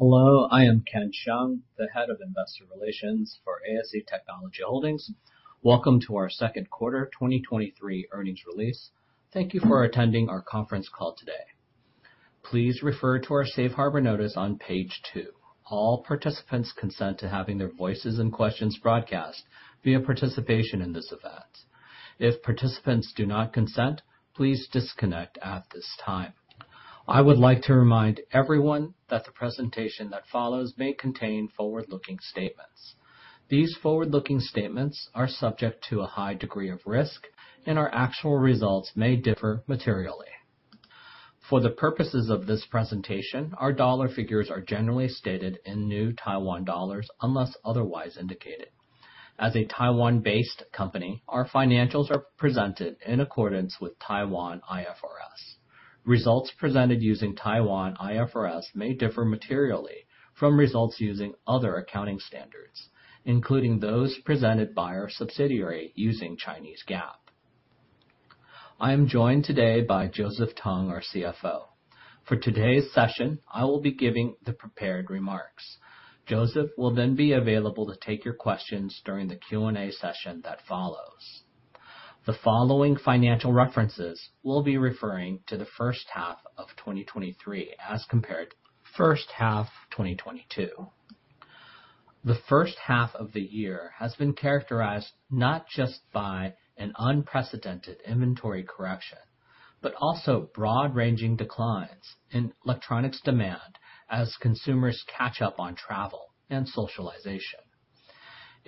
Hello, I am Ken Hsiang, the Head of Investor Relations for ASE Technology Holdings. Welcome to our second quarter 2023 earnings release. Thank you for attending our conference call today. Please refer to our safe harbor notice on page two. All participants consent to having their voices and questions broadcast via participation in this event. If participants do not consent, please disconnect at this time. I would like to remind everyone that the presentation that follows may contain forward-looking statements. These forward-looking statements are subject to a high degree of risk, and our actual results may differ materially. For the purposes of this presentation, our dollar figures are generally stated in new Taiwan dollars, unless otherwise indicated. As a Taiwan-based company, our financials are presented in accordance with Taiwan IFRS. Results presented using Taiwan IFRS may differ materially from results using other accounting standards, including those presented by our subsidiary using Chinese GAAP. I am joined today by Joseph Tung, our CFO. For today's session, I will be giving the prepared remarks. Joseph will then be available to take your questions during the Q&A session that follows. The following financial references will be referring to the first half of 2023, as compared to first half 2022. The first half of the year has been characterized not just by an unprecedented inventory correction, but also broad-ranging declines in electronics demand as consumers catch up on travel and socialization.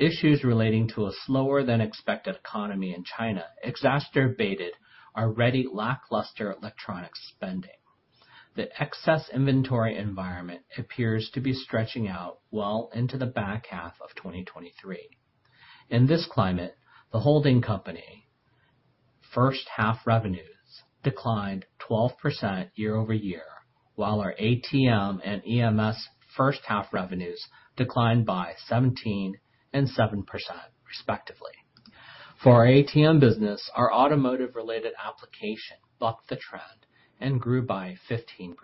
Issues relating to a slower than expected economy in China exacerbated our already lackluster electronic spending. The excess inventory environment appears to be stretching out well into the back half of 2023. In this climate, the holding company first half revenues declined 12% year-over-year, while our ATM and EMS first half revenues declined by 17% and 7%, respectively. For our ATM business, our automotive-related application bucked the trend and grew by 15%.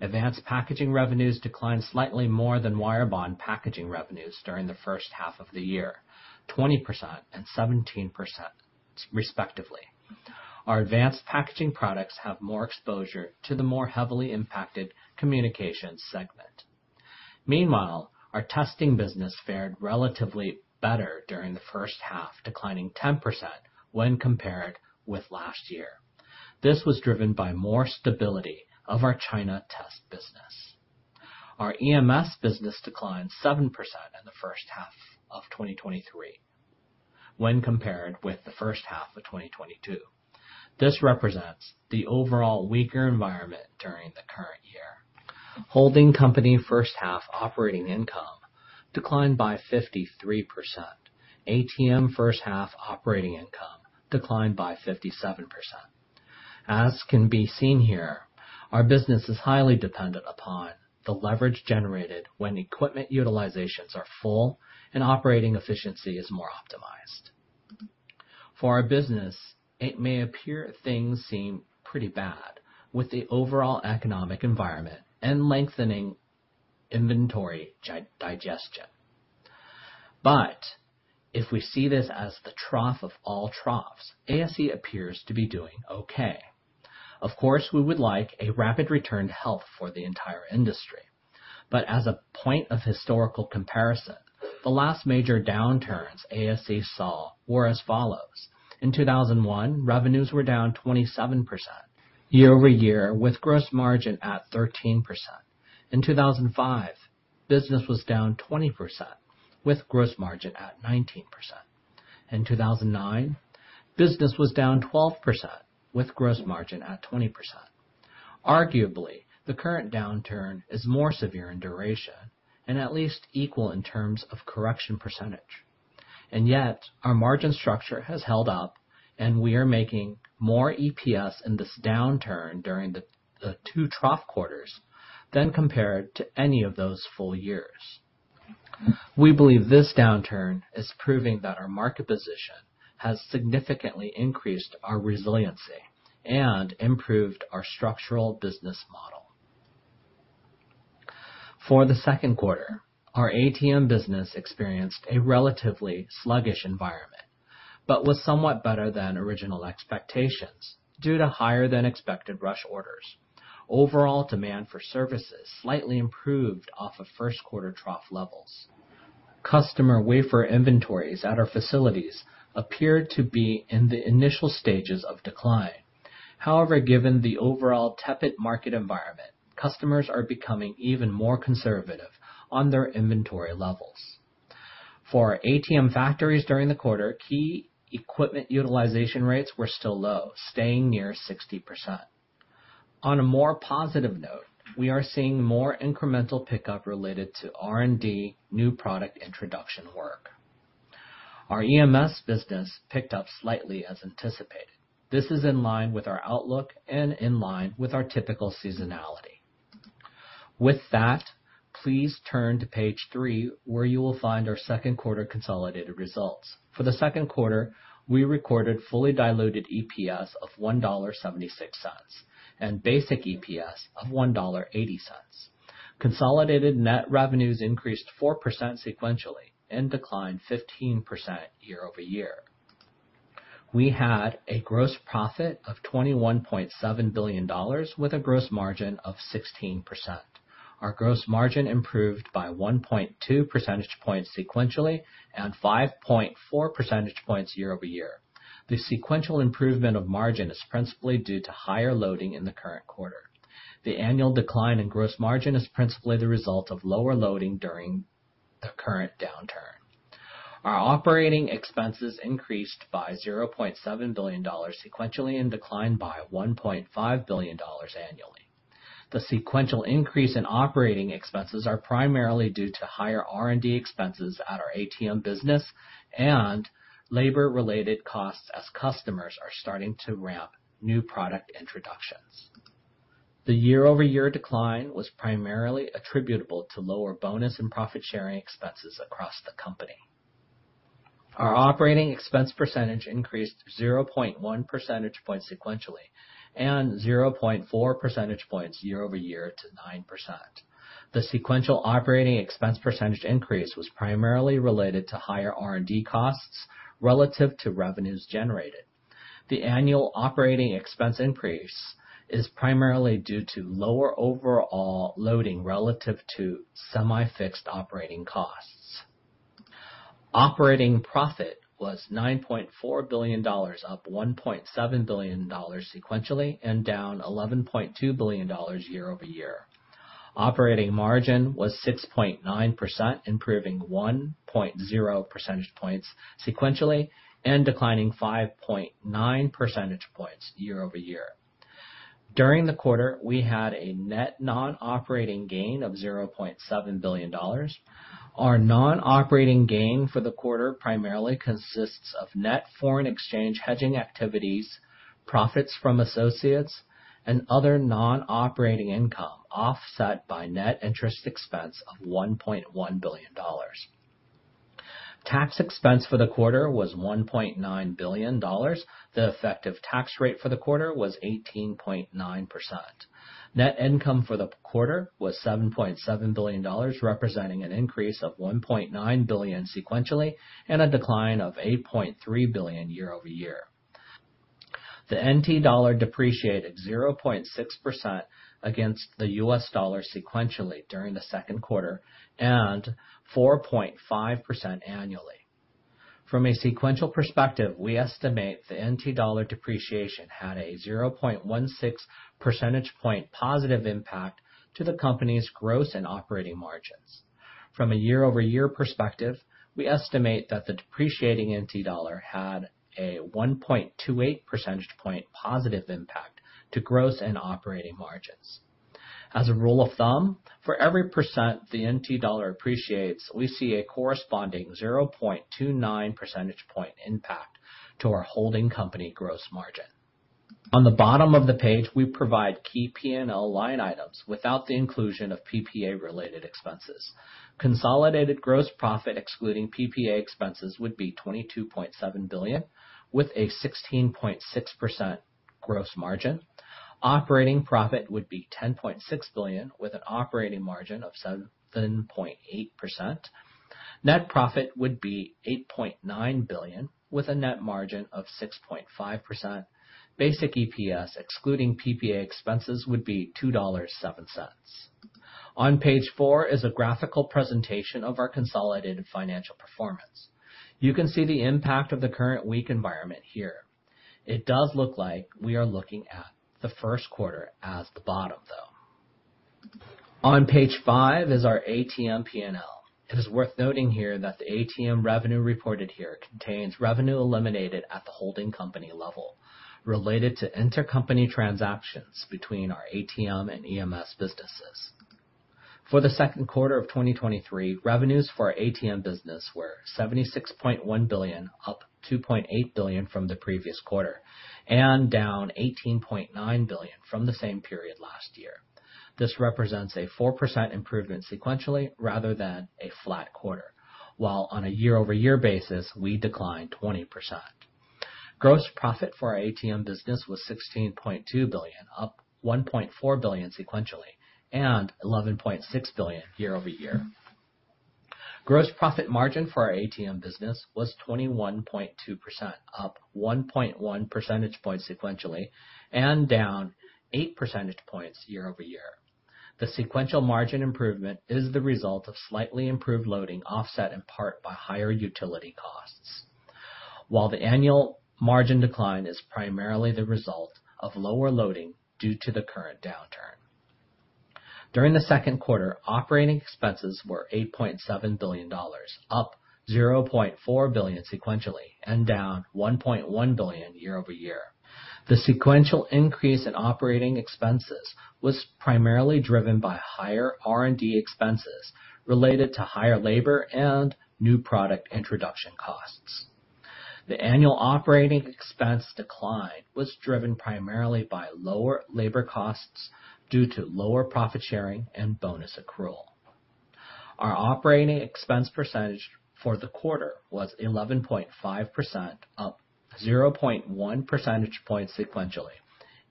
Advanced packaging revenues declined slightly more than wire bond packaging revenues during the first half of the year, 20% and 17%, respectively. Our advanced packaging products have more exposure to the more heavily impacted communications segment. Meanwhile, our testing business fared relatively better during the first half, declining 10% when compared with last year. This was driven by more stability of our China test business. Our EMS business declined 7% in the first half of 2023 when compared with the first half of 2022. This represents the overall weaker environment during the current year. Holding company first half operating income declined by 53%. ATM first half operating income declined by 57%. As can be seen here, our business is highly dependent upon the leverage generated when equipment utilizations are full and operating efficiency is more optimized. For our business, it may appear things seem pretty bad with the overall economic environment and lengthening inventory digestion. If we see this as the trough of all troughs, ASE appears to be doing okay. Of course, we would like a rapid return to health for the entire industry, as a point of historical comparison, the last major downturns ASE saw were as follows: In 2001, revenues were down 27% year-over-year, with gross margin at 13%. In 2005, business was down 20%, with gross margin at 19%. In 2009, business was down 12%, with gross margin at 20%. Arguably, the current downturn is more severe in duration and at least equal in terms of correction %, and yet our margin structure has held up and we are making more EPS in this downturn during the two trough quarters than compared to any of those full years. We believe this downturn is proving that our market position has significantly increased our resiliency and improved our structural business model. For the second quarter, our ATM business experienced a relatively sluggish environment, but was somewhat better than original expectations due to higher than expected rush orders. Overall, demand for services slightly improved off of first quarter trough levels. Customer wafer inventories at our facilities appeared to be in the initial stages of decline. However, given the overall tepid market environment, customers are becoming even more conservative on their inventory levels. For our ATM factories during the quarter, key equipment utilization rates were still low, staying near 60%. On a more positive note, we are seeing more incremental pickup related to R&D new product introduction work. Our EMS business picked up slightly as anticipated. This is in line with our outlook and in line with our typical seasonality. With that, please turn to page three, where you will find our second quarter consolidated results. For the second quarter, we recorded fully diluted EPS of $1.76, and basic EPS of $1.80. Consolidated net revenues increased 4% sequentially and declined 15% year-over-year. We had a gross profit of $21.7 billion, with a gross margin of 16%. Our gross margin improved by 1.2 percentage points sequentially and 5.4 percentage points year-over-year. The sequential improvement of margin is principally due to higher loading in the current quarter. The annual decline in gross margin is principally the result of lower loading during the current downturn. Our operating expenses increased by 0.7 billion dollars sequentially, and declined by 1.5 billion dollars annually. The sequential increase in operating expenses are primarily due to higher R&D expenses at our ATM business and labor-related costs, as customers are starting to ramp new product introductions. The year-over-year decline was primarily attributable to lower bonus and profit sharing expenses across the company. Our operating expense percentage increased 0.1 percentage points sequentially and 0.4 percentage points year-over-year to 9%. The sequential operating expense percent increase was primarily related to higher R&D costs relative to revenues generated. The annual operating expense increase is primarily due to lower overall loading relative to semi-fixed operating costs. Operating profit was $9.4 billion, up $1.7 billion sequentially and down $11.2 billion year-over-year. Operating margin was 6.9%, improving 1.0 percentage points sequentially and declining 5.9 percentage points year-over-year. During the quarter, we had a net non-operating gain of $0.7 billion. Our non-operating gain for the quarter primarily consists of net foreign exchange hedging activities, profits from associates, and other non-operating income, offset by net interest expense of $1.1 billion. Tax expense for the quarter was $1.9 billion. The effective tax rate for the quarter was 18.9%. Net income for the quarter was $7.7 billion, representing an increase of $1.9 billion sequentially and a decline of $8.3 billion year-over-year. The NT dollar depreciated 0.6% against the US dollar sequentially during the second quarter and 4.5% annually. From a sequential perspective, we estimate the NT dollar depreciation had a 0.16 percentage point positive impact to the company's gross and operating margins. From a year-over-year perspective, we estimate that the depreciating NT dollar had a 1.28 percentage point positive impact to gross and operating margins. As a rule of thumb, for every percent the NT dollar appreciates, we see a corresponding 0.29 percentage point impact to our holding company gross margin. On the bottom of the page, we provide key P&L line items without the inclusion of PPA-related expenses. Consolidated gross profit, excluding PPA expenses, would be 22.7 billion, with a 16.6% gross margin. Operating profit would be 10.6 billion, with an operating margin of 7.8%. Net profit would be 8.9 billion, with a 6.5% net margin. Basic EPS, excluding PPA expenses, would be $2.07. On page 4 is a graphical presentation of our consolidated financial performance. You can see the impact of the current weak environment here. It does look like we are looking at the first quarter as the bottom, though. On page five is our ATM P&L. It is worth noting here that the ATM revenue reported here contains revenue eliminated at the holding company level related to intercompany transactions between our ATM and EMS businesses. For the second quarter of 2023, revenues for our ATM business were 76.1 billion, up 2.8 billion from the previous quarter and down 18.9 billion from the same period last year. This represents a 4% improvement sequentially rather than a flat quarter, while on a year-over-year basis, we declined 20%. Gross profit for our ATM business was TWD 16.2 billion, up TWD 1.4 billion sequentially and TWD 11.6 billion year-over-year. Gross profit margin for our ATM business was 21.2%, up 1.1 percentage points sequentially and down eight percentage points year-over-year. The sequential margin improvement is the result of slightly improved loading, offset in part by higher utility costs, while the annual margin decline is primarily the result of lower loading due to the current downturn. During the second quarter, operating expenses were $8.7 billion, up $0.4 billion sequentially and down $1.1 billion year-over-year. The sequential increase in operating expenses was primarily driven by higher R&D expenses related to higher labor and new product introduction costs. The annual operating expense decline was driven primarily by lower labor costs due to lower profit sharing and bonus accrual. Our operating expense percentage for the quarter was 11.5%, up 0.1 percentage points sequentially,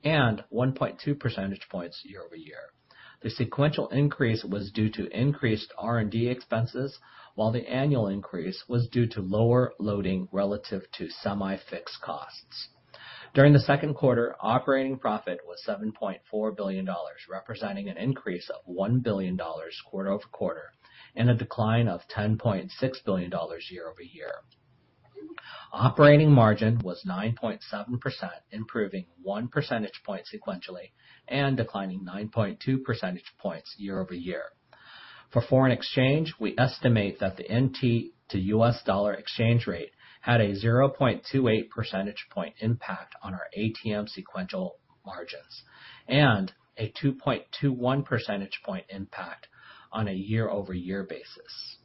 and 1.2 percentage points year-over-year. The sequential increase was due to increased R&D expenses, while the annual increase was due to lower loading relative to semi-fixed costs. During the second quarter, operating profit was $7.4 billion, representing an increase of $1 billion quarter-over-quarter and a decline of $10.6 billion year-over-year. Operating margin was 9.7%, improving one percentage point sequentially and declining 9.2 percentage points year-over-year. For foreign exchange, we estimate that the NT to US dollar exchange rate had a 0.28 percentage point impact on our ATM sequential margins and a 2.21 percentage point impact on a year-over-year basis.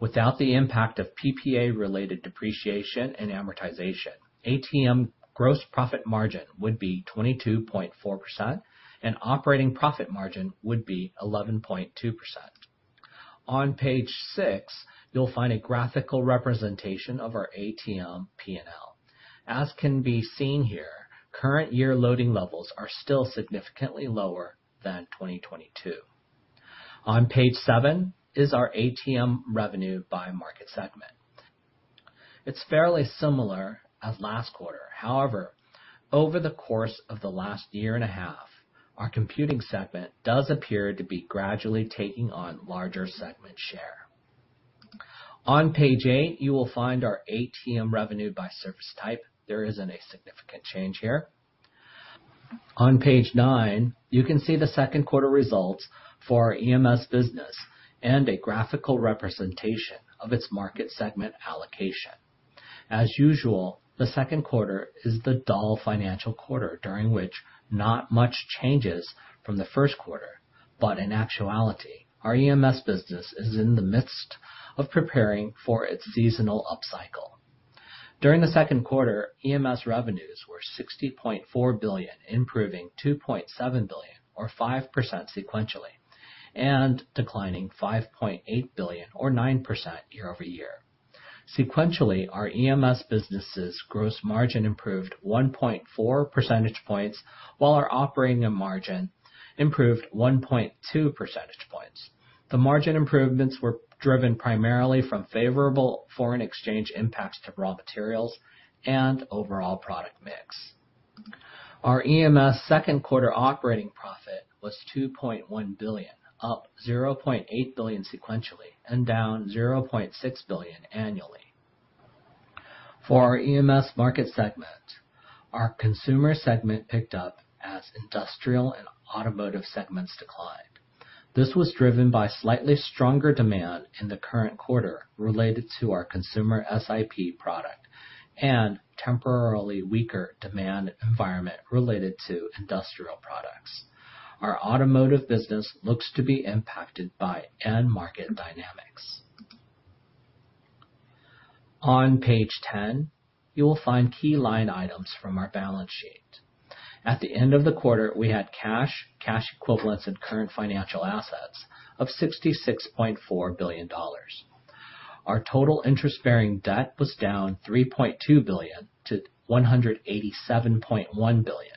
Without the impact of PPA-related depreciation and amortization, ATM gross profit margin would be 22.4%, and operating profit margin would be 11.2%. On page six, you'll find a graphical representation of our ATM P&L. As can be seen here, current year loading levels are still significantly lower than 2022. On page seven is our ATM revenue by market segment. It's fairly similar as last quarter. However, over the course of the last year and a half, our computing segment does appear to be gradually taking on larger segment share. On page eight, you will find our ATM revenue by service type. There isn't a significant change here. On page nine, you can see the second quarter results for our EMS business and a graphical representation of its market segment allocation. As usual, the second quarter is the dull financial quarter, during which not much changes from the first quarter, but in actuality, our EMS business is in the midst of preparing for its seasonal upcycle. During the second quarter, EMS revenues were 60.4 billion, improving 2.7 billion or 5% sequentially, and declining 5.8 billion or 9% year-over-year. Sequentially, our EMS business's gross margin improved 1.4 percentage points, while our operating margin improved 1.2 percentage points. The margin improvements were driven primarily from favorable foreign exchange impacts to raw materials and overall product mix. Our EMS second quarter operating profit was 2.1 billion, up 0.8 billion sequentially and down 0.6 billion annually. For our EMS market segment, our consumer segment picked up as industrial and automotive segments declined. This was driven by slightly stronger demand in the current quarter related to our consumer SIP product and temporarily weaker demand environment related to industrial products. Our automotive business looks to be impacted by end market dynamics. On page 10, you will find key line items from our balance sheet. At the end of the quarter, we had cash equivalents, and current financial assets of 66.4 billion dollars. Our total interest-bearing debt was down 3.2 billion to 187.1 billion.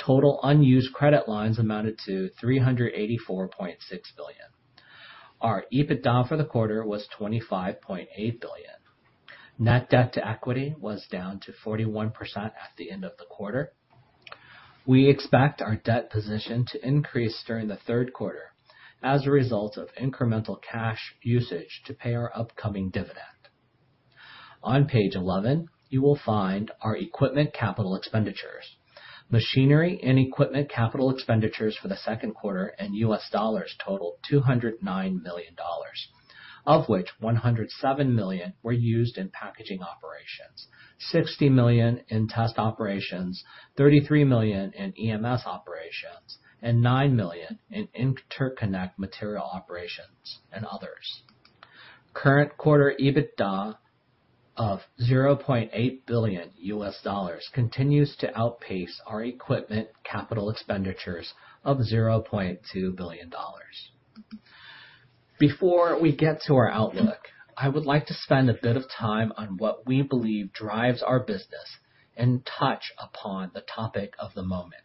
Total unused credit lines amounted to 384.6 billion. Our EBITDA for the quarter was 25.8 billion. Net debt to equity was down to 41% at the end of the quarter. We expect our debt position to increase during the third quarter as a result of incremental cash usage to pay our upcoming dividend. On page 11, you will find our equipment capital expenditures. Machinery and equipment capital expenditures for the second quarter and US dollars totaled $209 million, of which $107 million were used in packaging operations, $60 million in test operations, $33 million in EMS operations, and $9 million in interconnect material operations and others. Current quarter EBITDA of $0.8 billion continues to outpace our equipment capital expenditures of $0.2 billion. Before we get to our outlook, I would like to spend a bit of time on what we believe drives our business and touch upon the topic of the moment: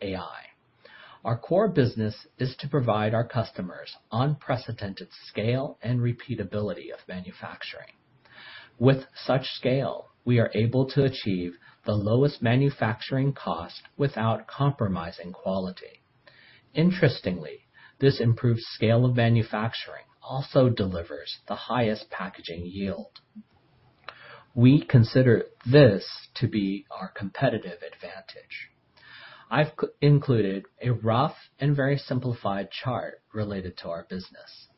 AI. Our core business is to provide our customers unprecedented scale and repeatability of manufacturing. With such scale, we are able to achieve the lowest manufacturing cost without compromising quality. Interestingly, this improved scale of manufacturing also delivers the highest packaging yield. We consider this to be our competitive advantage. I've included a rough and very simplified chart related to our business.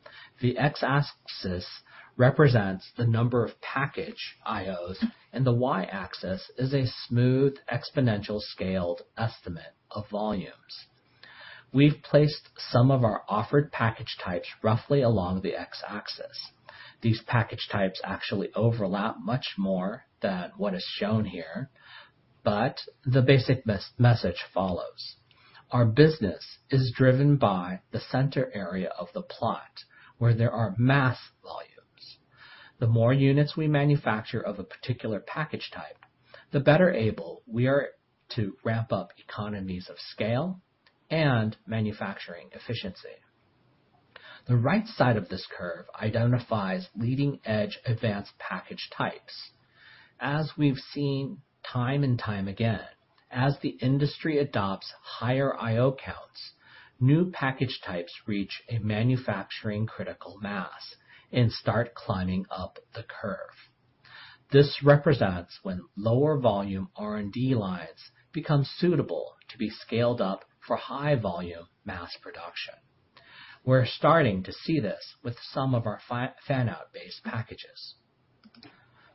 The x-axis represents the number of package I/Os, and the y-axis is a smooth, exponential, scaled estimate of volumes. We've placed some of our offered package types roughly along the x-axis. These package types actually overlap much more than what is shown here, but the basic message follows. Our business is driven by the center area of the plot, where there are mass volumes. The more units we manufacture of a particular package type, the better able we are to ramp up economies of scale and manufacturing efficiency. The right side of this curve identifies leading-edge advanced package types. As we've seen time and time again, as the industry adopts higher I/O counts, new package types reach a manufacturing critical mass and start climbing up the curve. This represents when lower volume R&D lines become suitable to be scaled up for high volume mass production. We're starting to see this with some of our fan-out based packages.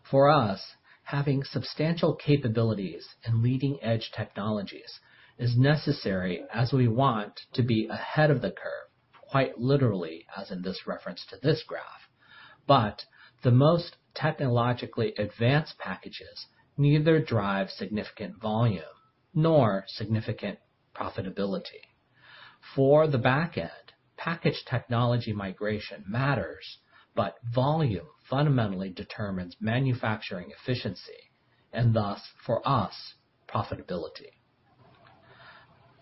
For us, having substantial capabilities in leading-edge technologies is necessary as we want to be ahead of the curve, quite literally, as in this reference to this graph. The most technologically advanced packages neither drive significant volume nor significant profitability. For the back end, package technology migration matters, but volume fundamentally determines manufacturing efficiency and thus, for us, profitability.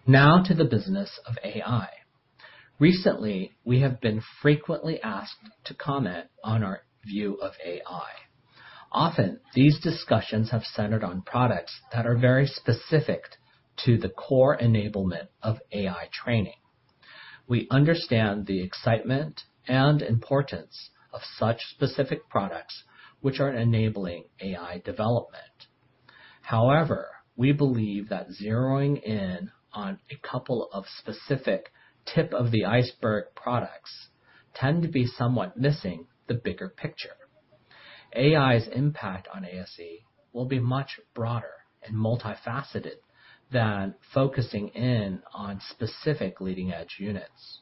Now to the business of AI. Recently, we have been frequently asked to comment on our view of AI. Often, these discussions have centered on products that are very specific to the core enablement of AI training. We understand the excitement and importance of such specific products, which are enabling AI development. We believe that zeroing in on a couple of specific tip of the iceberg products tend to be somewhat missing the bigger picture. AI's impact on ASE will be much broader and multifaceted than focusing in on specific leading-edge units.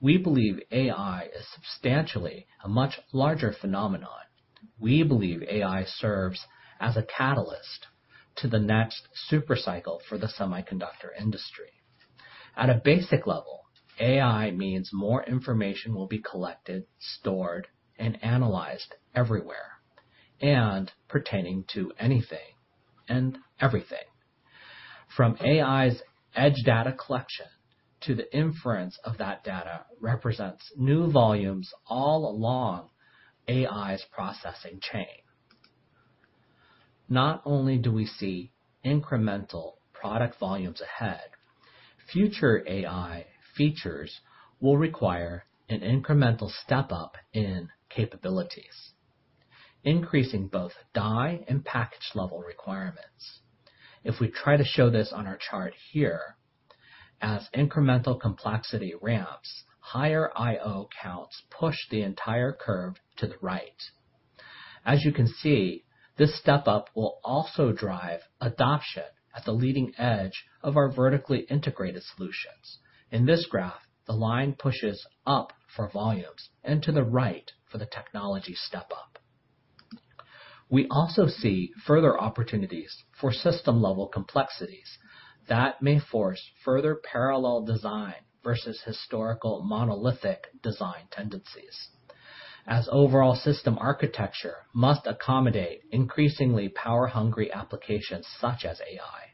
We believe AI is substantially a much larger phenomenon. We believe AI serves as a catalyst to the next super cycle for the semiconductor industry. At a basic level, AI means more information will be collected, stored, and analyzed everywhere and pertaining to anything and everything. From AI's edge data collection to the inference of that data represents new volumes all along AI's processing chain. Not only do we see incremental product volumes ahead, future AI features will require an incremental step up in capabilities, increasing both die and package level requirements. If we try to show this on our chart here, as incremental complexity ramps, higher I/O counts push the entire curve to the right. You can see, this step up will also drive adoption at the leading edge of our vertically integrated solutions. In this graph, the line pushes up for volumes and to the right for the technology step up. We also see further opportunities for system-level complexities that may force further parallel design versus historical monolithic design tendencies. Overall system architecture must accommodate increasingly power-hungry applications such as AI,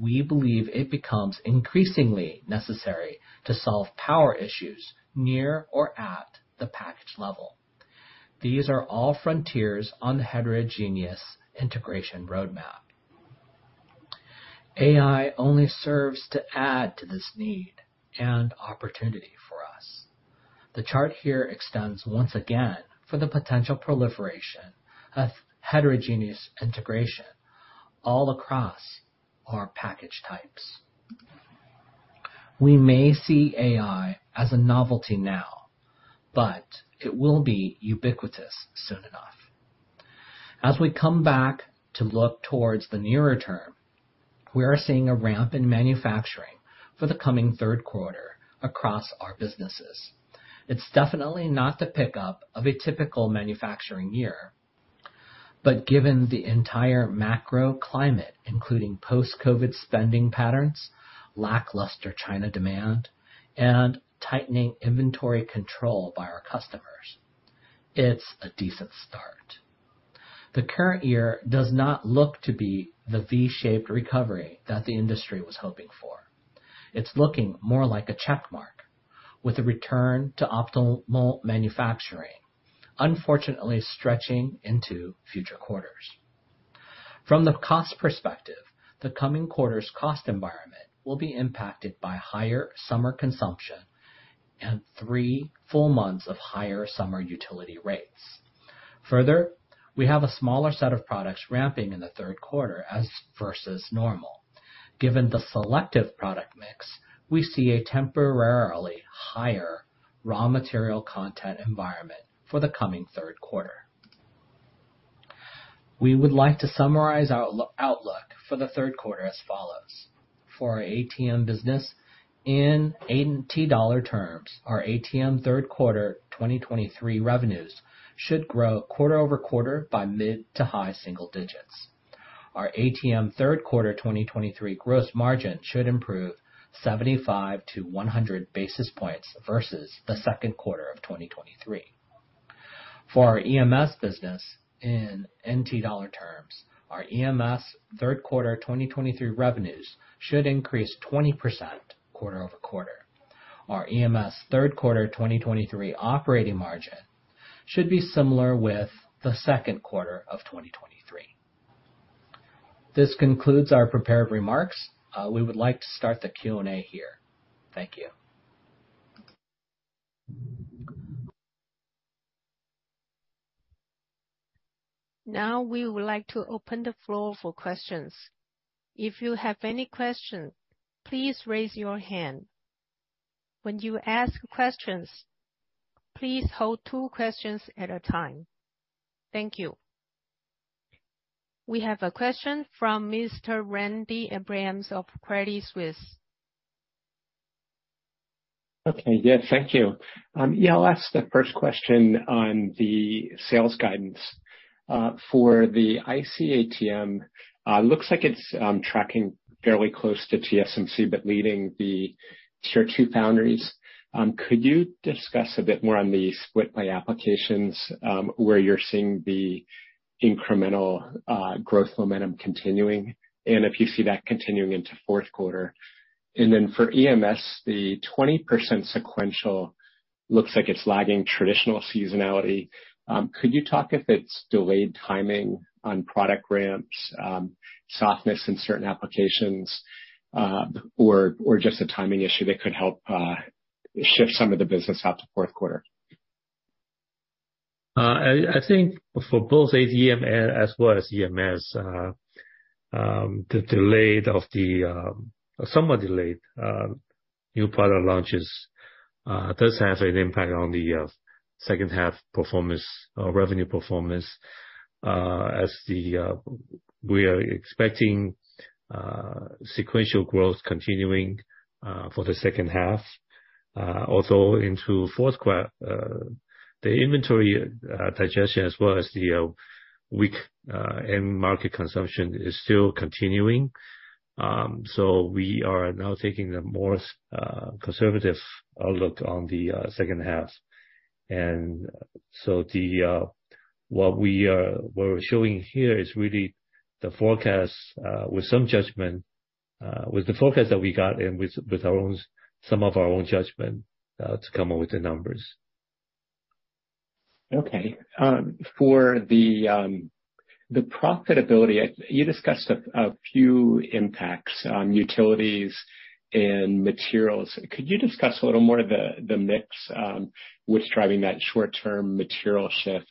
we believe it becomes increasingly necessary to solve power issues near or at the package level. These are all frontiers on the Heterogeneous integration roadmap. AI only serves to add to this need and opportunity for us. The chart here extends once again for the potential proliferation of Heterogeneous integration all across our package types. We may see AI as a novelty now. It will be ubiquitous soon enough. As we come back to look towards the nearer term, we are seeing a ramp in manufacturing for the coming third quarter across our businesses. It's definitely not the pickup of a typical manufacturing year, given the entire macro climate, including post-Covid spending patterns, lackluster China demand, and tightening inventory control by our customers, it's a decent start. The current year does not look to be the V-shaped recovery that the industry was hoping for. It's looking more like a checkmark, with a return to optimal manufacturing, unfortunately stretching into future quarters. From the cost perspective, the coming quarter's cost environment will be impacted by higher summer consumption and three full months of higher summer utility rates. Further, we have a smaller set of products ramping in the third quarter as versus normal. Given the selective product mix, we see a temporarily higher raw material content environment for the coming third quarter. We would like to summarize our outlook for the third quarter as follows: For our ATM business, in NT dollar terms, our ATM third quarter 2023 revenues should grow quarter-over-quarter by mid to high single digits. Our ATM third quarter 2023 gross margin should improve 75 to 100 basis points versus the second quarter of 2023. For our EMS business, in NT dollar terms, our EMS third quarter 2023 revenues should increase 20% quarter-over-quarter. Our EMS third quarter 2023 operating margin should be similar with the second quarter of 2023. This concludes our prepared remarks. We would like to start the Q&A here. Thank you. Now, we would like to open the floor for questions. If you have any questions, please raise your hand. When you ask questions, please hold two questions at a time. Thank you. We have a question from Mr. Randy Abrams of Credit Suisse. Okay. Yes, thank you. I'll ask the first question on the sales guidance. For the IC ATM, looks like it's tracking fairly close to TSMC, but leading the tier two foundries. Could you discuss a bit more on the split by applications, where you're seeing the incremental growth momentum continuing, and if you see that continuing into fourth quarter? For EMS, the 20% sequential looks like it's lagging traditional seasonality. Could you talk if it's delayed timing on product ramps, softness in certain applications, or just a timing issue that could help shift some of the business out to fourth quarter? I think for both ATM as well as EMS, the delayed of the somewhat delayed new product launches does have an impact on the second half performance or revenue performance. As we are expecting sequential growth continuing for the second half, also into fourth quarter. The inventory digestion, as well as the weak end market consumption, is still continuing. We are now taking a more conservative outlook on the second half. What we are, what we're showing here is really the forecast with some judgment, with the forecast that we got and with our own, some of our own judgment, to come up with the numbers. Okay. For the profitability, I, you discussed a few impacts on utilities and materials. Could you discuss a little more the mix, what's driving that short-term material shift?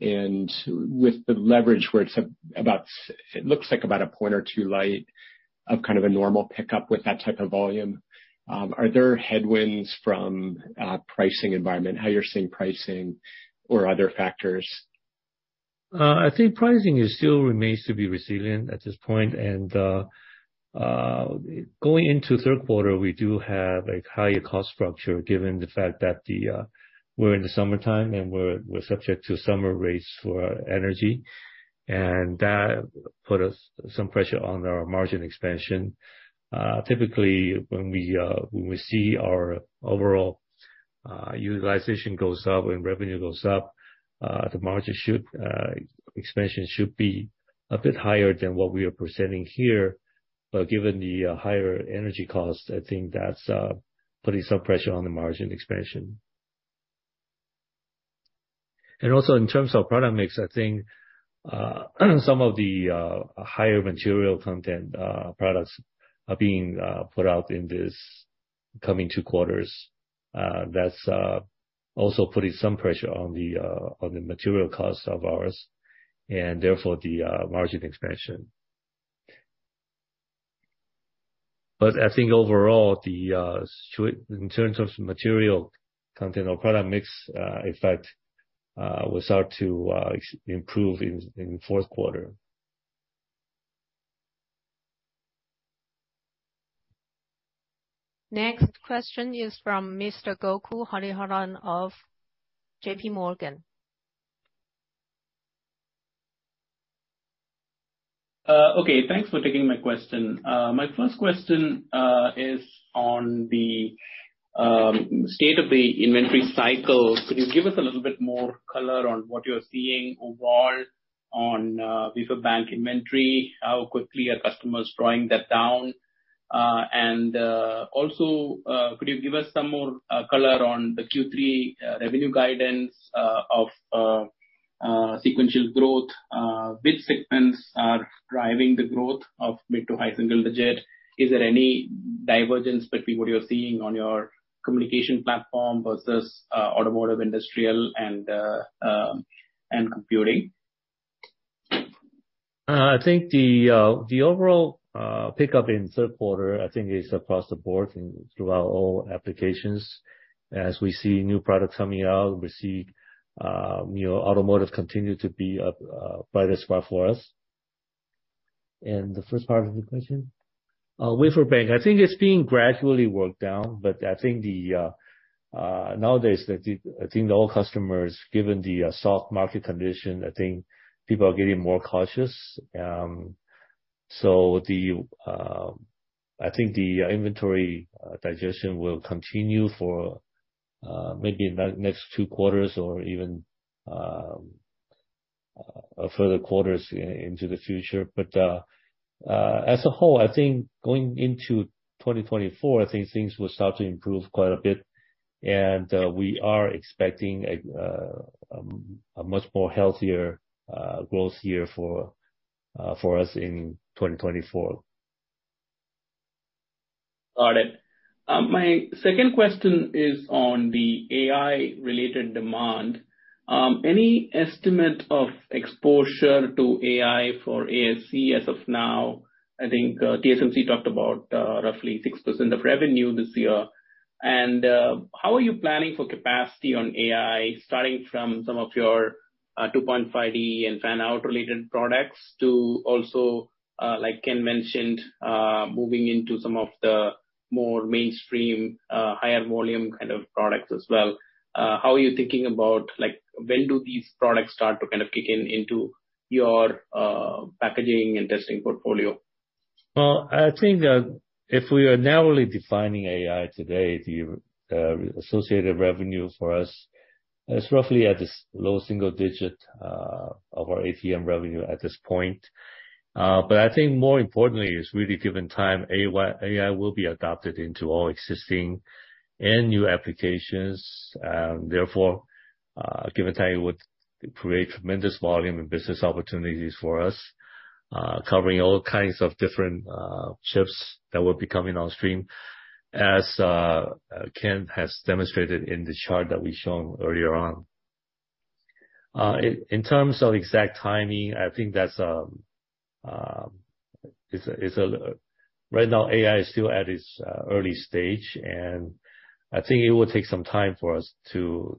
With the leverage, where it's about it looks like about one or two light of kind of a normal pickup with that type of volume, are there headwinds from pricing environment, how you're seeing pricing or other factors? I think pricing is still remains to be resilient at this point. Going into third quarter, we do have a higher cost structure, given the fact that the, we're in the summertime, and we're subject to summer rates for energy, and that put us some pressure on our margin expansion. Typically, when we, when we see our overall, utilization goes up and revenue goes up, the margin expansion should be a bit higher than what we are presenting here. Given the, higher energy costs, I think that's, putting some pressure on the margin expansion. Also, in terms of product mix, I think, some of the, higher material content, products are being, put out in this coming two quarters. That's also putting some pressure on the material costs of ours and therefore the margin expansion. I think overall, the, in terms of material content or product mix, effect, will start to improve in the fourth quarter. Next question is from Mr. Gokul Hariharan of JPMorgan. Okay, thanks for taking my question. My first question is on the state of the inventory cycle. Could you give us a little bit more color on what you're seeing overall on wafer bank inventory? How quickly are customers drawing that down? Also, could you give us some more color on the Q3 revenue guidance of sequential growth? Which segments are driving the growth of mid to high single digit? Is there any divergence between what you're seeing on your communication platform versus automotive, industrial and computing? I think the overall pickup in third quarter, I think is across the board and through our all applications. As we see new products coming out, we see, you know, automotive continue to be a brighter spot for us. The first part of the question? Wafer bank. I think it's being gradually worked down, but I think the nowadays, I think the old customers, given the soft market condition, I think people are getting more cautious. I think the inventory digestion will continue for maybe the next two quarters or even further quarters into the future. As a whole, I think going into 2024, I think things will start to improve quite a bit, and we are expecting a much more healthier growth year for us in 2024. My second question is on the AI-related demand. Any estimate of exposure to AI for ASE as of now? I think TSMC talked about roughly 6% of revenue this year. How are you planning for capacity on AI, starting from some of your 2.5D and fan-out related products, to also, like Ken mentioned, moving into some of the more mainstream, higher volume kind of products as well? How are you thinking about, like, when do these products start to kind of kick in into your packaging and testing portfolio? Well, I think that if we are narrowly defining AI today, the associated revenue for us is roughly at this low single digit of our ATM revenue at this point. I think more importantly, is really given time, AI will be adopted into all existing and new applications. Therefore, given time, it would create tremendous volume and business opportunities for us, covering all kinds of different chips that will be coming on stream, as Ken has demonstrated in the chart that we've shown earlier on. In terms of exact timing, I think that's. Right now, AI is still at its early stage, and I think it will take some time for us to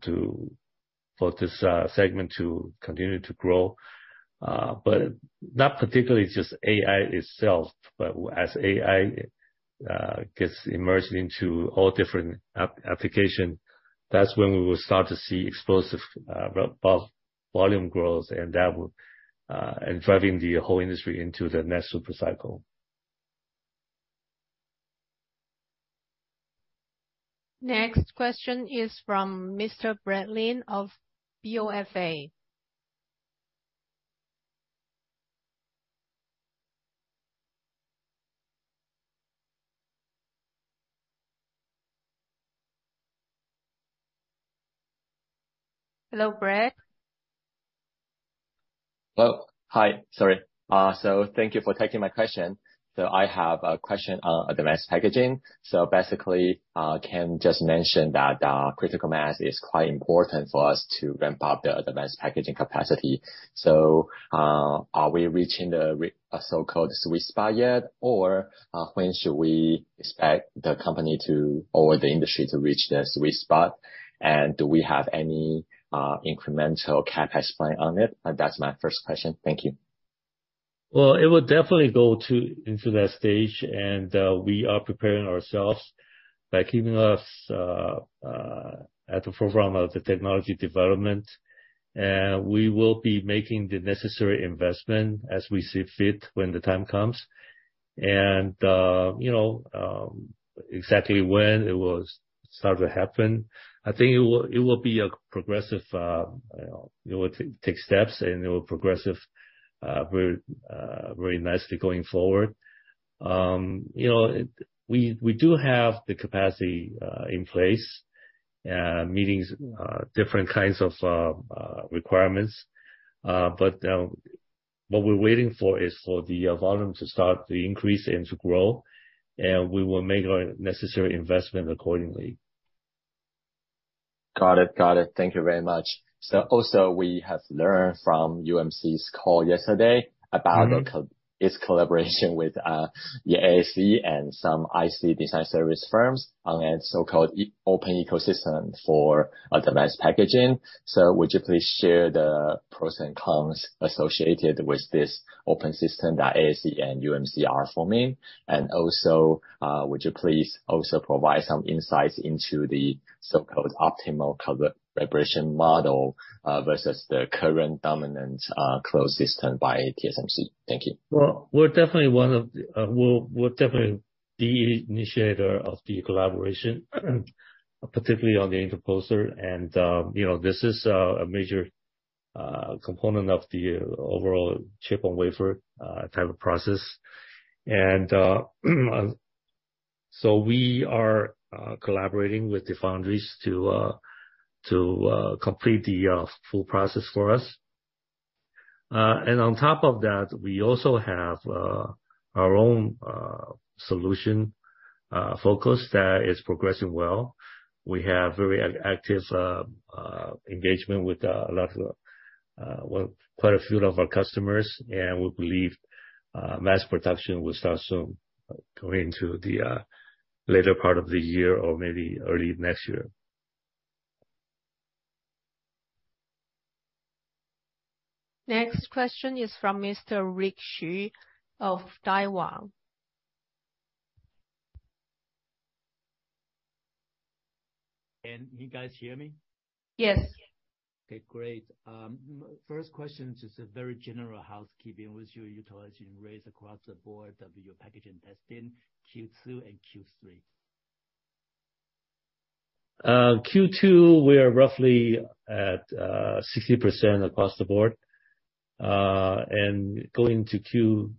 for this segment to continue to grow. Not particularly just AI itself, but as AI gets immersed into all different application, that's when we will start to see explosive, both volume growth and that will and driving the whole industry into the next super cycle. Next question is from Mr. Brad Lin of BofA. Hello, Brad. Hello. Hi, sorry. Thank you for taking my question. I have a question on advanced packaging. Basically, Ken just mentioned that critical mass is quite important for us to ramp up the advanced packaging capacity. Are we reaching the so-called sweet spot yet? When should we expect the company to, or the industry to reach the sweet spot? Do we have any incremental CapEx plan on it? That's my first question. Thank you. Well, it will definitely go into that stage, and we are preparing ourselves by keeping us at the forefront of the technology development. We will be making the necessary investment as we see fit when the time comes. You know, exactly when it will start to happen, I think it will be a progressive, you know, it will take steps, and it will progressive very nicely going forward. You know, we do have the capacity in place, meetings, different kinds of requirements. What we're waiting for is for the volume to start to increase and to grow, and we will make our necessary investment accordingly. Got it. Thank you very much. Also, we have learned from UMC's call yesterday about- Mm-hmm. Its collaboration with the ASE and some IC design service firms on a so-called open ecosystem for advanced packaging. Would you please share the pros and cons associated with this open system that ASE and UMC are forming? Would you please also provide some insights into the so-called optimal cover preparation model versus the current dominant closed system by TSMC? Thank you. Well, we're definitely one of the, we're definitely the initiator of the collaboration, particularly on the interposer. You know, this is a major component of the overall Chip-on-wafer type of process. We are collaborating with the foundries to complete the full process for us. On top of that, we also have our own solution focus that is progressing well. We have very active engagement with a lot of, well, quite a few of our customers, and we believe mass production will start soon, going into the later part of the year or maybe early next year. Next question is from Mr. Rick Hsu of Daiwa. Can you guys hear me? Yes. Okay, great. first question, just a very general housekeeping. What's your utilization rates across the board of your package and testing, Q2 and Q3? Q2, we are roughly at 60% across the board. Going to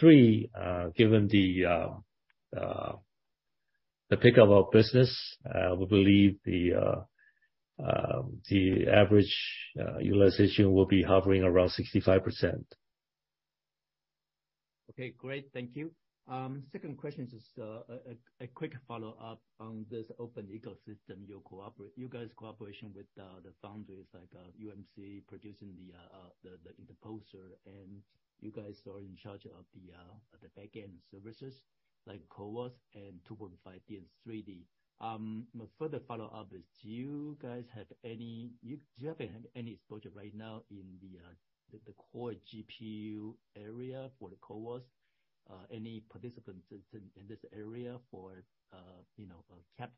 Q3, given the the pick of our business, we believe the the average utilization will be hovering around 65%. Okay, great. Thank you. Second question is, a quick follow-up on this open ecosystem, you guys cooperation with, the boundaries like, UMC producing the poster, and you guys are in charge of the back-end services like CoWoS and 2.5D and 3D. My further follow-up is, do you have any exposure right now in the core GPU area for the CoWoS? Any participants in this area for, you know,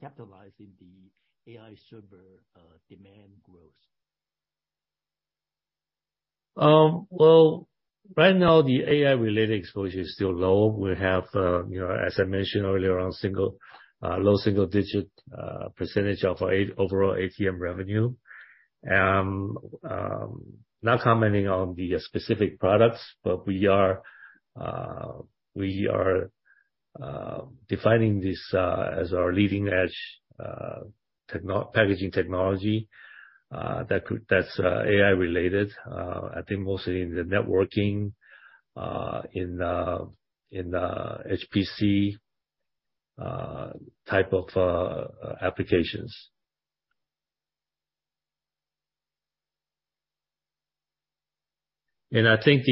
capitalizing the AI server, demand growth? Well, right now, the AI-related exposure is still low. We have, you know, as I mentioned earlier, around single, low single digit % of our overall ATM revenue. Not commenting on the specific products, but we are defining this as our leading-edge packaging technology that's AI related. I think mostly in the networking, in HPC, type of applications. I think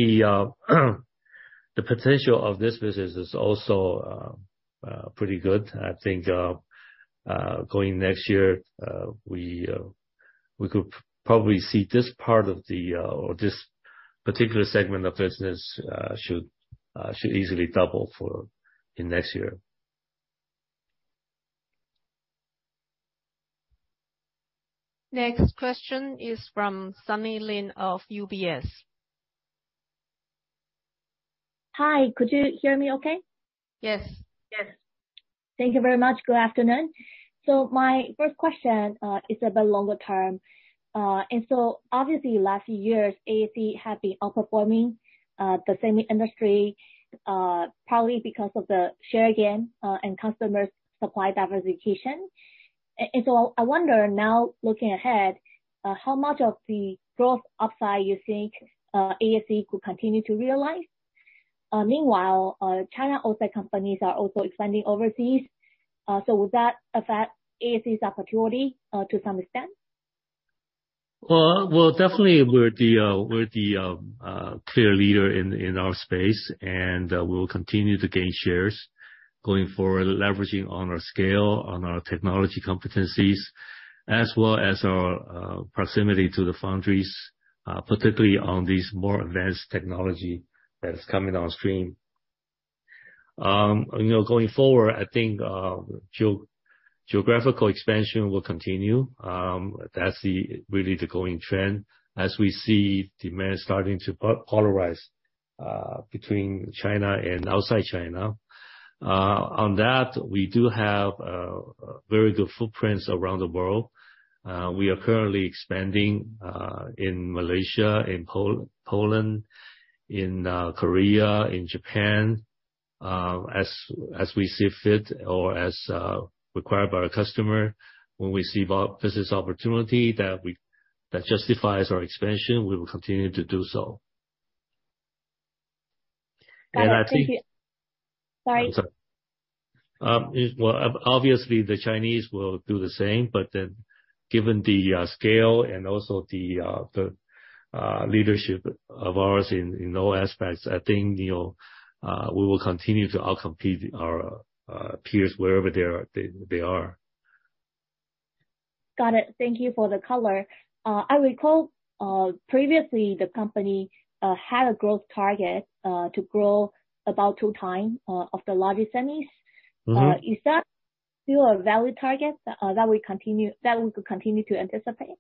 the potential of this business is also pretty good. I think, going next year, we could probably see this part of the or this particular segment of business should easily double for in next year. Next question is from Sunny Lin of UBS. Hi, could you hear me okay? Yes. Yes. Thank you very much. Good afternoon. My first question is about longer term. Obviously, last years, ASE has been outperforming the semi industry, probably because of the share, again, and customers supply diversification. I wonder, now, looking ahead, how much of the growth upside you think ASE could continue to realize? Meanwhile, China also, companies are also expanding overseas, so will that affect ASE's opportunity to some extent? Well, definitely we're the clear leader in our space, and we will continue to gain shares going forward, leveraging on our scale, on our technology competencies, as well as our proximity to the foundries, particularly on these more advanced technology that is coming on stream. You know, going forward, I think geographical expansion will continue. That's the really the growing trend as we see demand starting to polarize between China and outside China. On that, we do have very good footprints around the world. We are currently expanding in Malaysia, in Poland, in Korea, in Japan, as we see fit or as required by our customer. When we see business opportunity that justifies our expansion, we will continue to do so. Got it. Thank you. And I think. Sorry. I'm sorry. Well, obviously, the Chinese will do the same, but then given the scale and also the leadership of ours in all aspects, I think, you know, we will continue to outcompete our peers wherever they are, they are. Got it. Thank you for the color. I recall, previously the company, had a growth target, to grow about two time, of the largest semis. Mm-hmm. Is that still a valid target, that we could continue to anticipate?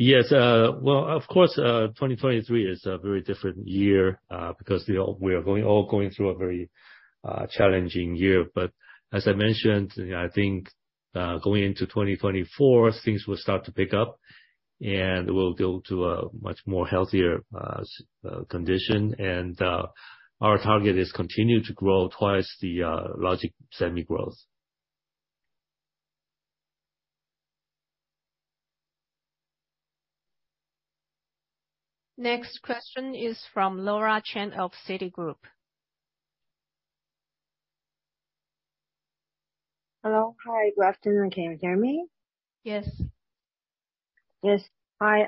Yes. Well, of course, 2023 is a very different year, because, you know, we are all going through a very challenging year. As I mentioned, I think, going into 2024, things will start to pick up, and we'll go to a much more healthier condition. Our target is continue to grow twice the logic semi growth. Next question is from Laura Chen of Citigroup. Hello. Hi, good afternoon. Can you hear me? Yes. Yes. Hi,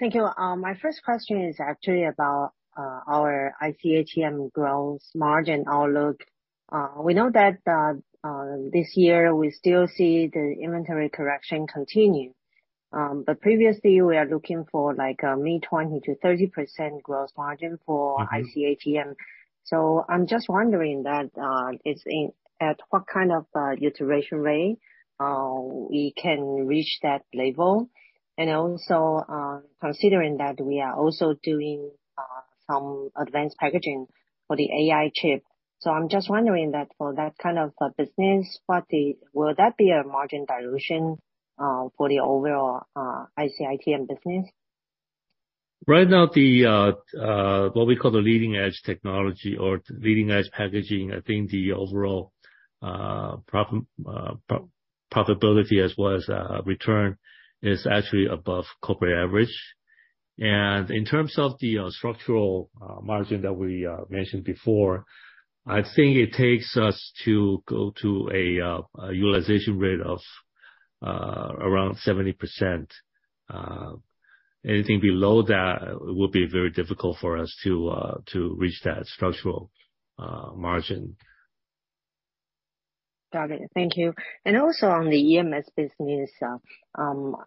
thank you. My first question is actually about our ICATM growth margin outlook. We know that this year, we still see the inventory correction continue. Previously, we are looking for, like, a mid 20%-30% growth margin. Mm-hmm. IC ATM. I'm just wondering that at what kind of utilization rate we can reach that level? Considering that we are also doing some advanced packaging for the AI chip. I'm just wondering that for that kind of business, will that be a margin dilution for the overall IC ATM business? Right now, what we call the leading edge technology or leading edge packaging, I think the overall profitability as well as return, is actually above corporate average. In terms of the structural margin that we mentioned before, I think it takes us to go to a utilization rate of around 70%. Anything below that will be very difficult for us to reach that structural margin. Got it. Thank you. Also, on the EMS business,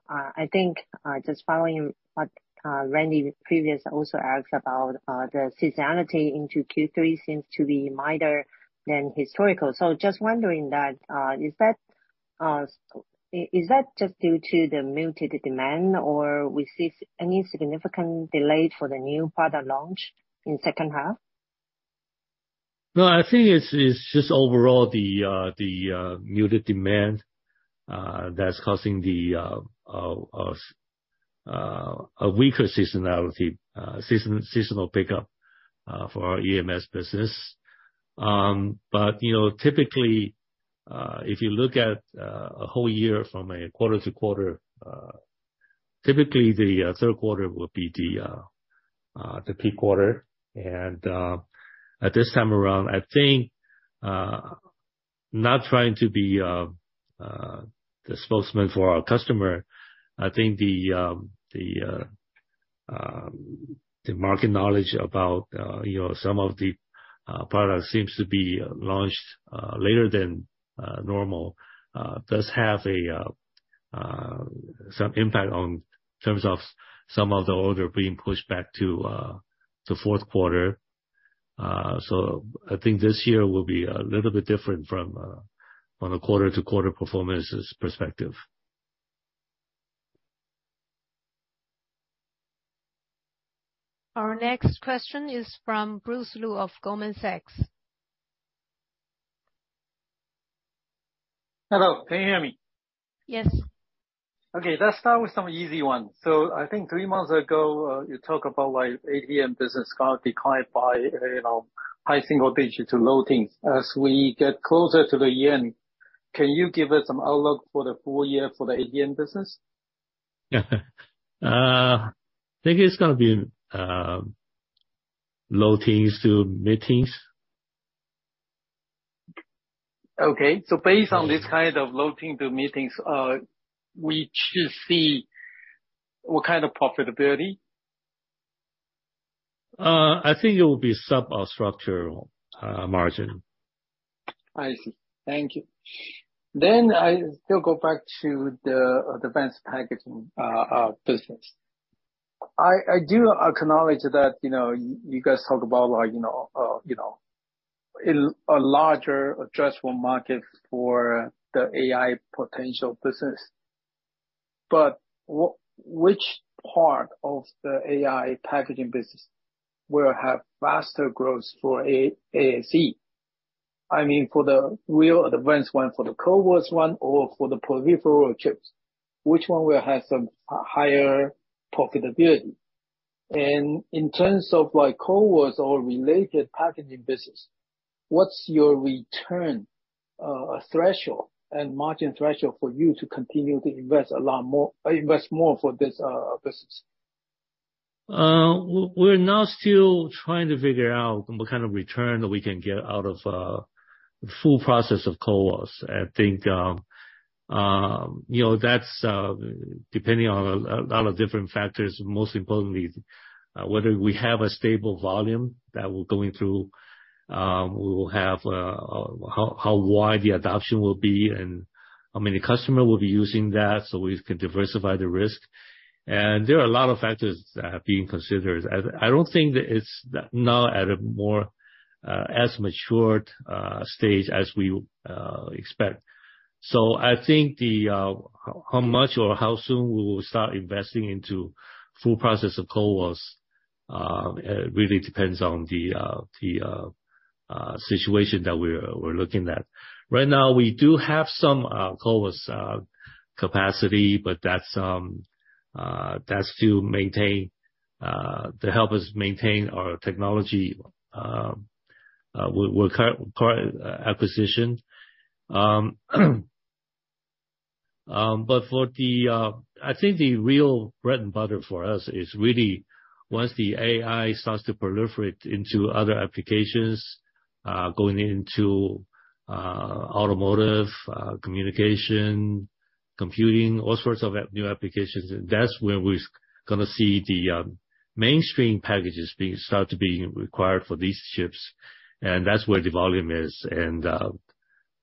I think, just following what Randy previous also asked about, the seasonality into Q3 seems to be milder than historical. Just wondering that, is that just due to the muted demand, or we see any significant delay for the new product launch in second half? No, I think it's just overall the muted demand that's causing a weaker seasonality seasonal pickup for our EMS business. You know, typically, if you look at a whole year from a quarter to quarter, typically the third quarter will be the peak quarter. At this time around, I think, not trying to be the spokesman for our customer, I think the market knowledge about, you know, some of the products seems to be launched later than normal, does have some impact on terms of some of the order being pushed back to fourth quarter. I think this year will be a little bit different from on a quarter-to-quarter performance perspective. Our next question is from Bruce Lu of Goldman Sachs. Hello, can you hear me? Yes. Okay, let's start with some easy ones. I think three months ago, you talked about why ATM business got declined by, you know, high single digits to low teens. As we get closer to the end, can you give us some outlook for the full year for the ATM business? I think it's gonna be low teens to mid teens. Okay. based on this kind of low teens to mid teens, we should see what kind of profitability? I think it will be sub or structural, margin. I see. Thank you. I still go back to the advanced packaging business. I do acknowledge that, you know, you guys talk about like, you know, a larger addressable market for the AI potential business. Which part of the AI packaging business will have faster growth for ASE? I mean, for the real advanced one, for the CoWoS one or for the peripheral chips, which one will have some higher profitability? In terms of, like, CoWoS or related packaging business, what's your return threshold and margin threshold for you to continue to invest more for this business? We're now still trying to figure out what kind of return we can get out of full process of CoWoS. I think, you know, that's depending on a lot of different factors, most importantly, whether we have a stable volume that we're going through, we will have how wide the adoption will be and how many customer will be using that, so we can diversify the risk. There are a lot of factors that are being considered. I don't think that it's not at a more as matured stage as we expect. I think the how much or how soon we will start investing into full process of CoWoS really depends on the situation that we're looking at. Right now, we do have some CoWoS capacity, but that's to maintain, to help us maintain our technology, with acquisition. But for the, I think the real bread and butter for us is really once the AI starts to proliferate into other applications, going into automotive, communication, computing, all sorts of app, new applications, that's where we're gonna see the mainstream packages being, start to be required for these chips, and that's where the volume is.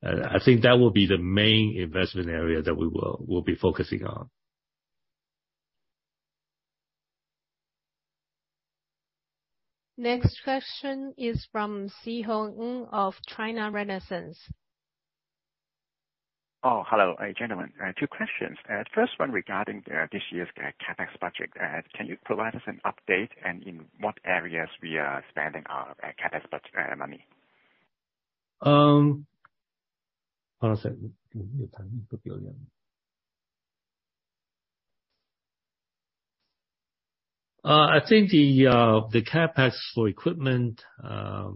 I think that will be the main investment area that we'll be focusing on. Next question is from Szeho Ng of China Renaissance. Hello, gentlemen. Two questions. First one regarding this year's CapEx budget. Can you provide us an update, and in what areas we are spending our CapEx money? Hold on a second. I think the CapEx for equipment, our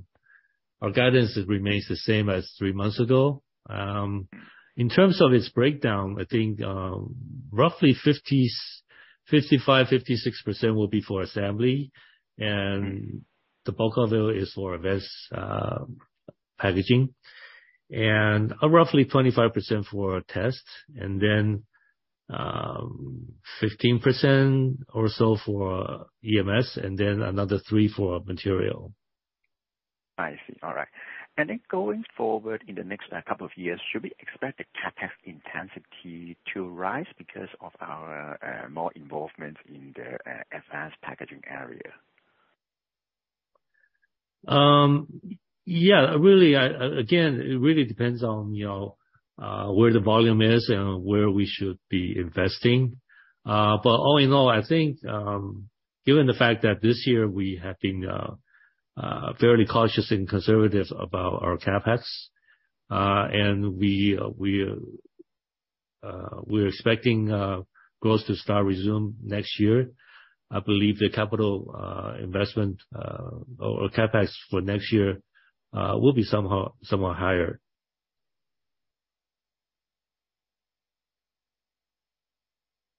guidance remains the same as 3 months ago. In terms of its breakdown, I think, roughly 55?%-56% will be for assembly, and the bulk of it is for advanced packaging, and roughly 25% for test, and then 15% or so for EMS, and then another 3% for material. I see. All right. Going forward in the next couple of years, should we expect the CapEx intensity to rise because of our more involvement in the advanced packaging area? Yeah, really, I, again, it really depends on, you know, where the volume is and where we should be investing. All in all, I think, given the fact that this year we have been fairly cautious and conservative about our CapEx, and we're expecting growth to start resume next year. I believe the capital investment or CapEx for next year will be somehow somewhat higher.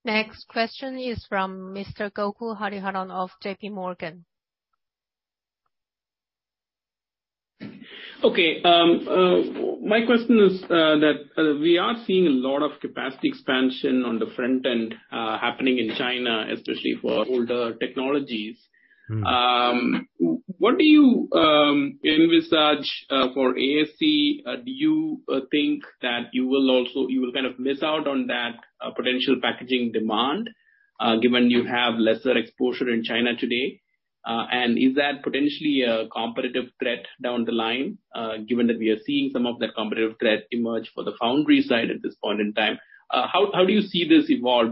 Next question is from Mr. Gokul Hariharan of JPMorgan. Okay, my question is that we are seeing a lot of capacity expansion on the front end, happening in China, especially for older technologies. Mm. What do you envisage for ASE? Do you think that you will kind of miss out on that potential packaging demand given you have lesser exposure in China today? Is that potentially a competitive threat down the line given that we are seeing some of that competitive threat emerge for the foundry side at this point in time? How do you see this evolve?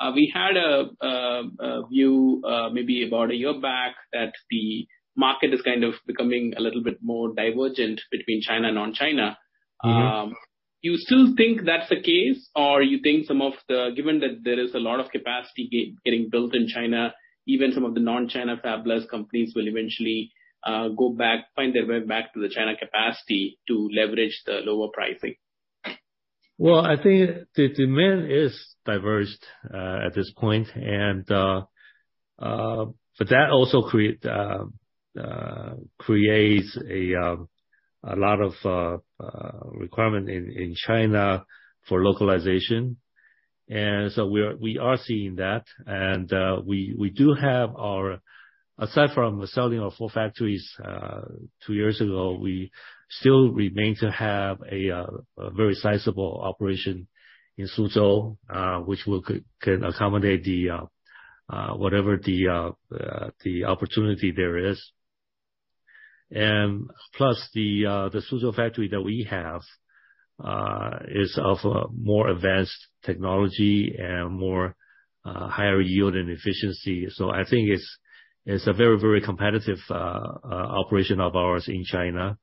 Because we had a view maybe about a year back, that the market is kind of becoming a little bit more divergent between China and non-China. Mm-hmm. Do you still think that's the case, or you think some of the... Given that there is a lot of capacity getting built in China, even some of the non-China fabless companies will eventually go back, find their way back to the China capacity to leverage the lower pricing? Well, I think the demand is diversed at this point, but that also creates a lot of requirement in China for localization. We are seeing that, and we do have our-- aside from selling our four factories two years ago, we still remain to have a very sizable operation in Suzhou, which can accommodate whatever the opportunity there is. Plus, the Suzhou factory that we have is of a more advanced technology and more higher yield and efficiency. I think it's a very, very competitive operation of ours in China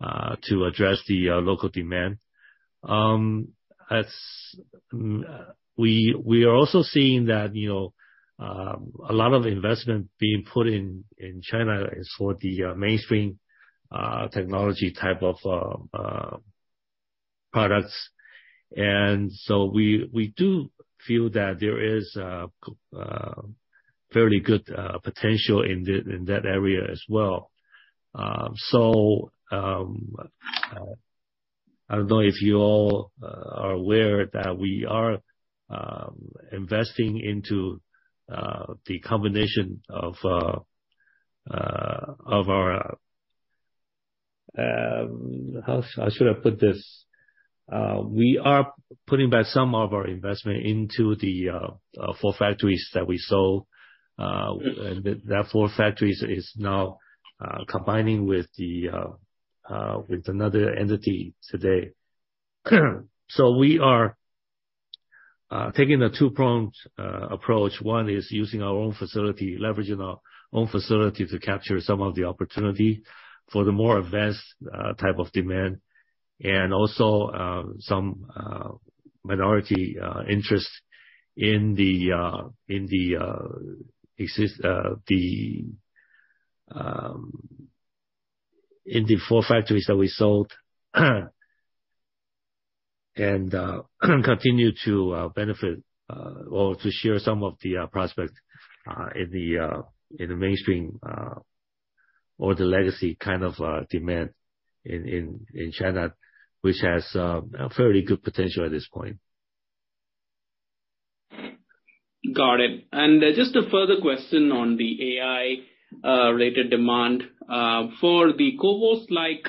to address the local demand. As... We are also seeing that, you know, a lot of investment being put in China is for the mainstream technology type of products. We do feel that there is a fairly good potential in that area as well. I don't know if you all are aware that we are investing into the combination of of our... How should I put this? We are putting back some of our investment into the four factories that we sold, that four factories is now combining with another entity today. We are taking a two-pronged approach. One is using our own facility, leveraging our own facility to capture some of the opportunity for the more advanced type of demand, and also some minority interest in the 4 factories that we sold, and continue to benefit or to share some of the prospects in the mainstream or the legacy kind of demand in China, which has a fairly good potential at this point. Got it. Just a further question on the AI related demand. For the CoWoS like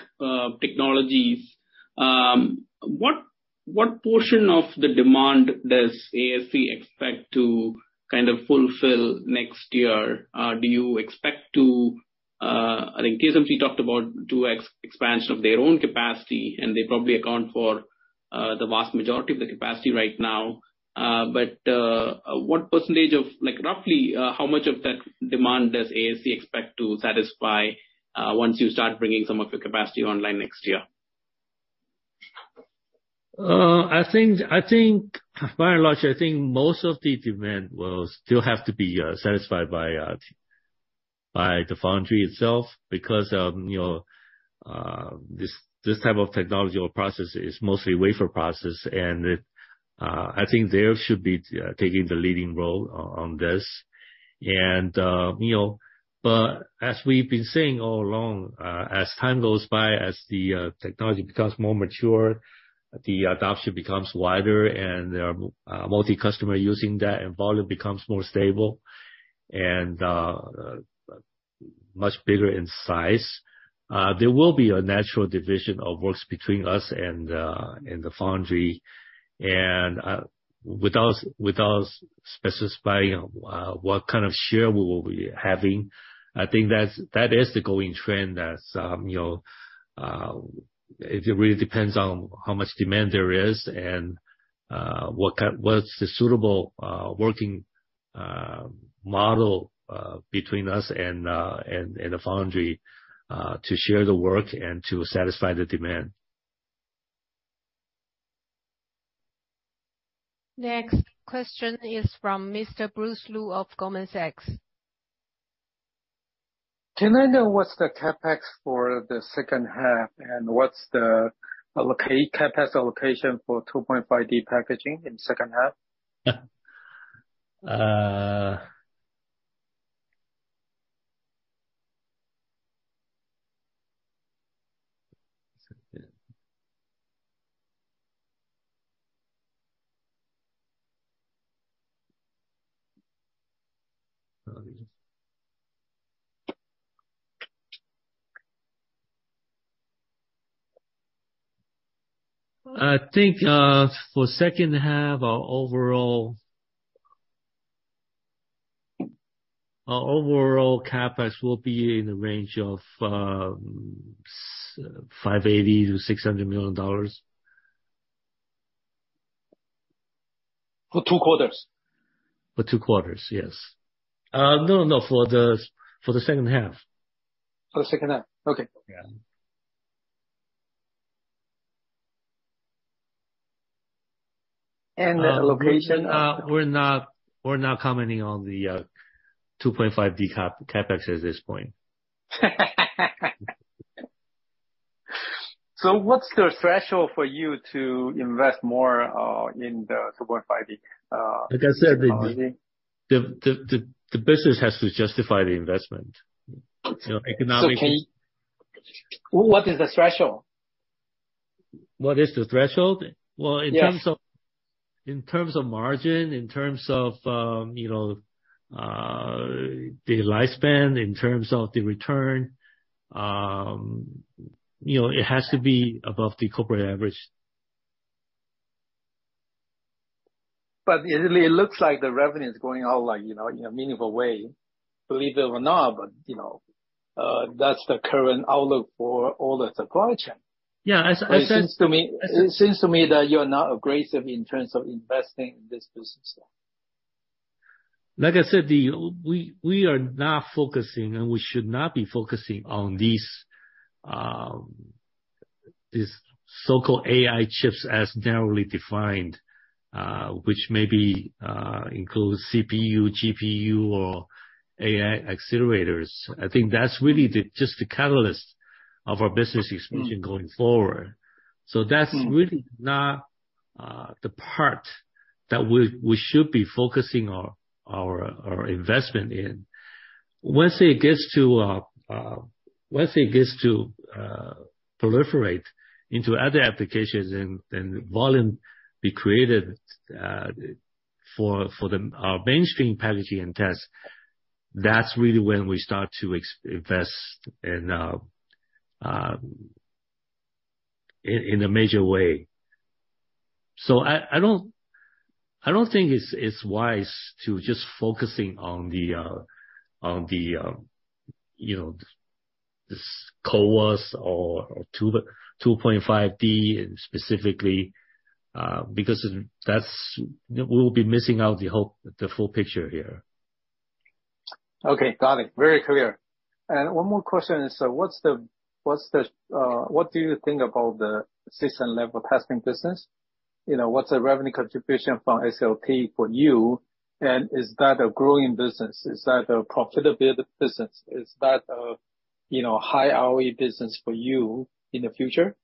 technologies, what portion of the demand does ASE expect to kind of fulfill next year? Do you expect to, I think TSMC talked about two expansion of their own capacity, and they probably account for the vast majority of the capacity right now. What percentage, like, roughly, how much of that demand does ASE expect to satisfy, once you start bringing some of the capacity online next year? I think by and large, I think most of the demand will still have to be satisfied by the foundry itself, because, you know, this type of technology or process is mostly wafer process, and it, I think they should be taking the leading role on this. You know, but as we've been saying all along, as time goes by, as the technology becomes more mature, the adoption becomes wider and there are multi-customer using that, and volume becomes more stable and much bigger in size. There will be a natural division of works between us and the foundry. Without specifying what kind of share we will be having, I think that is the going trend. That's, you know, it really depends on how much demand there is and what's the suitable working model between us and the foundry to share the work and to satisfy the demand. Next question is from Mr. Bruce Lu of Goldman Sachs. Can I know what's the CapEx for the second half, and what's the CapEx allocation for 2.5D packaging in the second half? I think, for second half, our overall CapEx will be in the range of $580 million-$600 million. For two quarters? For two quarters, yes. No, for the second half. For the second half. Okay. Yeah. The allocation of. We're not commenting on the 2.5D CapEx at this point. What's the threshold for you to invest more, in the 2.5D technology? Like I said, the business has to justify the investment. You know. What is the threshold? What is the threshold? Yes. Well, in terms of margin, in terms of, you know, the lifespan, in terms of the return, you know, it has to be above the corporate average. It really looks like the revenue is going out, like, you know, in a meaningful way, believe it or not, but, you know, that's the current outlook for all the supply chain. Yeah, as I said. It seems to me that you're not aggressive in terms of investing in this business, though. Like I said, We are not focusing, and we should not be focusing on these so-called AI chips as narrowly defined, which maybe includes CPU, GPU, or AI accelerators. I think that's really the, just the catalyst of our business expansion going forward. Mm. That's really not the part that we should be focusing our investment in. Once it gets to proliferate into other applications and volume be created for the, our mainstream packaging and test, that's really when we start to invest in a major way. I don't think it's wise to just focusing on the, you know, this CoWoS or 2.5D specifically, because that's we'll be missing out the whole, the full picture here. Okay, got it. Very clear. One more question, what do you think about the system-level testing business? You know, what's the revenue contribution from SLT for you, is that a growing business? Is that a profitable business? Is that a, you know, high ROE business for you in the future?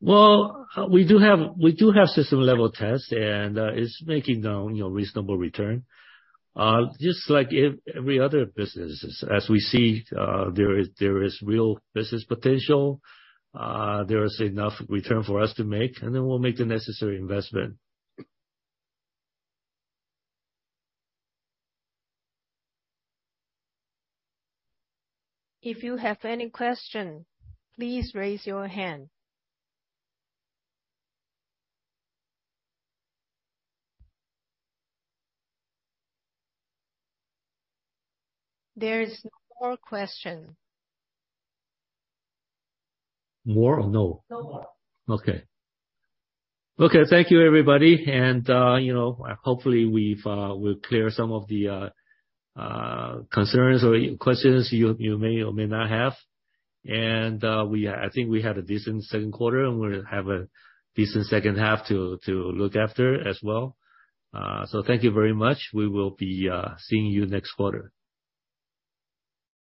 Well, we do have system-level test, it's making a, you know, reasonable return. Just like every other businesses, as we see, there is real business potential, there is enough return for us to make, we'll make the necessary investment. If you have any question, please raise your hand. There is no more question. More or no? No more. Okay. Okay, thank you, everybody. You know, hopefully, we've clear some of the concerns or questions you may or may not have. I think we had a decent second quarter, and we'll have a decent second half to look after as well. Thank you very much. We will be seeing you next quarter.